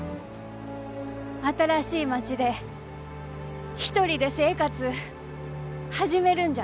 新しい町で一人で生活う始めるんじゃ。